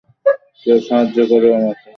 কেউ সাহায্য করো আমাকে!